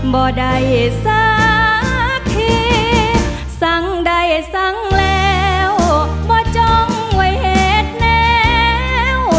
บ่ได้สักทีสั่งใดสั่งแล้วบ่จ้องไว้เหตุแล้ว